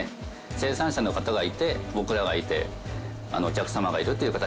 生産者の方がいて僕らがいてお客様がいるという形なので。